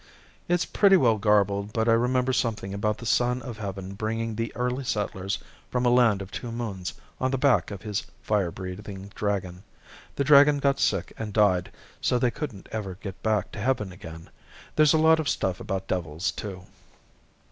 "It's pretty well garbled but I remember something about the Son of Heaven bringing the early settlers from a land of two moons on the back of his fire breathing dragon. The dragon got sick and died so they couldn't ever get back to heaven again. There's a lot of stuff about devils, too."